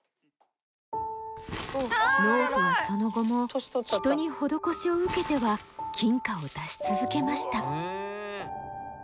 農夫はその後も人に施しを受けては金貨を出し続けました。